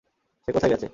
সে কোথায় গেছে?